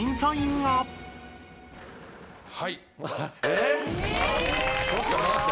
はい。